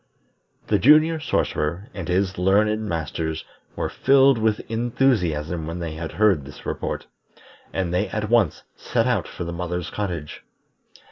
The Junior Sorcerer and his learned Masters were filled with enthusiasm when they heard this report, and they at once set out for the mother's cottage.